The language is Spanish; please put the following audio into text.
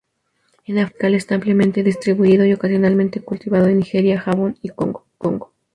En África tropical está ampliamente distribuido y ocasionalmente cultivado en Nigeria, Gabón y Congo.